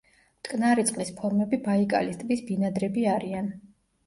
მტკნარი წყლის ფორმები ბაიკალის ტბის ბინადრები არიან.